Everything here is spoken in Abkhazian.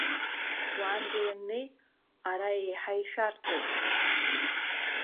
Уанӡа ианнеи, ара еиҳа ишәарҭоуп.